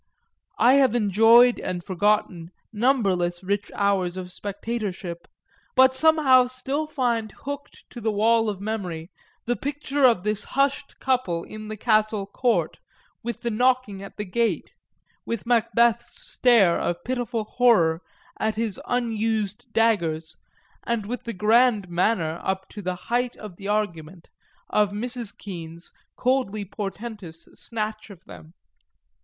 I have enjoyed and forgotten numberless rich hours of spectatorship, but somehow still find hooked to the wall of memory the picture of this hushed couple in the castle court, with the knocking at the gate, with Macbeth's stare of pitiful horror at his unused daggers and with the grand manner, up to the height of the argument, of Mrs. Kean's coldly portentous snatch of them.